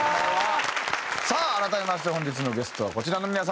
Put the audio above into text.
さあ改めまして本日のゲストはこちらの皆さんでございます。